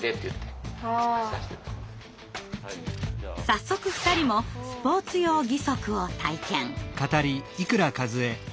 早速２人もスポーツ用義足を体験。